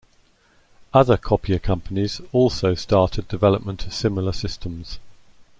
Other copier companies also started development of similar systems.